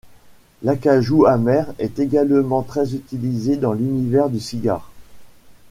L'acajou amer est également très utilisé dans l'univers du cigare.